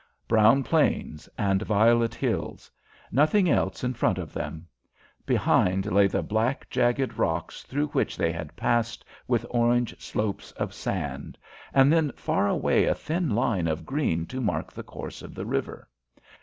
Brown plains and violet hills, nothing else in front of them! Behind lay the black jagged rocks through which they had passed with orange slopes of sand, and then far away a thin line of green to mark the course of the river.